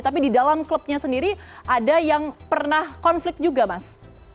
tapi di dalam klubnya sendiri ada yang pernah konflik juga mas